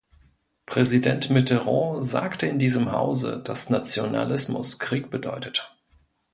Präsident Mitterrand sagte in diesem Hause, dass Nationalismus Krieg bedeutet.